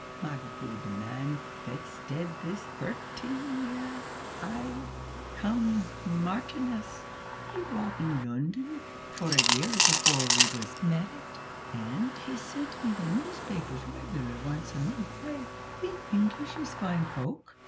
My guid man, that's deed this therteen year, ay, come Marti'mas, he wrought in Lunnon for a year before we was marrit, an' he sent me the newspapers reglar once a month ay, the English is fine folk.